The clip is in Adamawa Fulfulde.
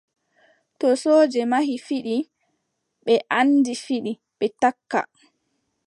To sooje mahi fiɗi, ɓe anndi fiɗi, ɓe takka.